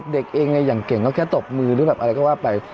เด็กเองอย่างเก่งก็แค่ตบมือหรือแบบอะไรก็ว่าไป